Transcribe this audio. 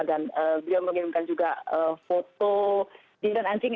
dan dia mengirimkan juga foto dinda dan anjing